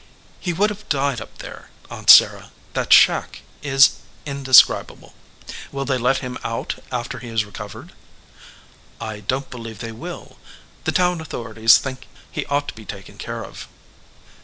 "He would have died up there. Aunt Sarah, that shack is in describable." "Will they let him out after he has recovered ?" "I don t believe they will. The town authorities think he ought to be taken care of."